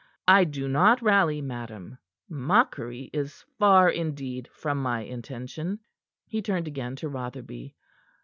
I do not rally, madam. Mockery is far indeed from my intention." He turned again to Rotherby.